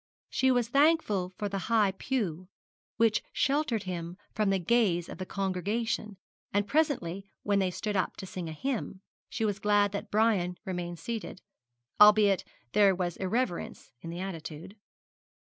She was thankful for the high pew which sheltered him from the gaze of the congregation; and presently when they stood up to sing a hymn, she was glad that Brian remained seated, albeit there was irreverence in the attitude.